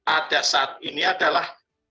ada saat ini adalah